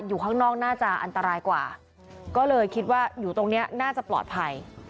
อยู่ข้างนอกน่าจะอันตรายกว่าก็เลยคิดว่าอยู่ตรงนี้น่าจะปลอดภัย